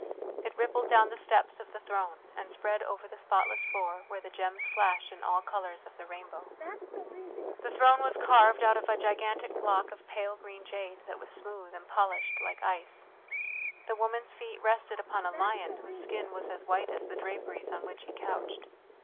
It rippled down the steps of the throne, and spread over the spotless floor where the gems flashed in all colours of the rainbow. The throne was carved out of a gigantic block of pale green jade that was smooth and polished like ice. The woman's feet rested upon a lion whose skin was as white as the draperies on which he couched.